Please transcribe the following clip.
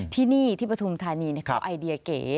ที่นี่ที่ประธุมธานีเนี่ยครับไอเดียเก๋